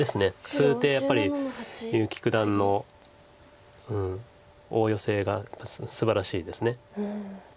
数手やっぱり結城九段の大ヨセがすばらしいです。